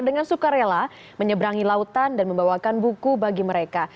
dengan sukarela menyeberangi lautan dan membawakan buku bagi mereka